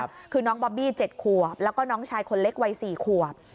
คือน้องบอบบี้๗ขวบแล้วก็น้องชายคนเล็กวัย๔ขวบ